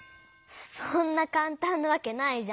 そんなかんたんなわけないじゃん。